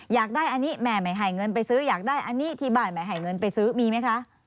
อยากได้อันนี้แม่ไม่ให้เงินไปซื้ออยากได้อันนี้ที่บ้านไม่ให้เงินไปซื้อมีไหมคะ